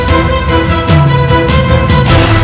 saya menganggap suci